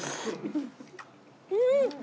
うん！